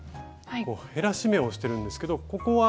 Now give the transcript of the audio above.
減らし目をしてるんですけどここは？